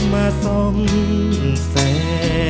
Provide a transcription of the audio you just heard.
สวัสดีครับ